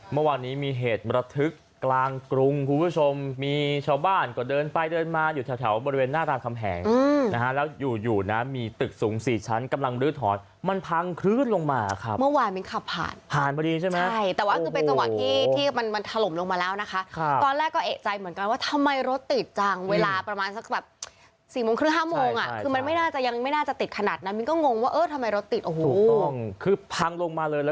เมื่อวานนี้มีเหตุบระทึกกลางกรุงคุณผู้ชมมีชาวบ้านก็เดินไปเดินมาอยู่แถวบริเวณหน้าทางคำแหงนะฮะแล้วอยู่นะมีตึกสูง๔ชั้นกำลังลื้อถอดมันพังคลืดลงมาครับเมื่อวานมิ้นขับผ่านผ่านพอดีใช่ไหมใช่แต่ว่าคือเป็นจังหวะที่ที่มันมันถล่มลงมาแล้วนะคะตอนแรกก็เอกใจเหมือนกันว่าทำไมรถติดจังเ